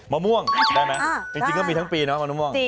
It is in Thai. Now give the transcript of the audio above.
มะม่วงได้ไหมจริงก็มีทั้งปีเนาะมะม่วง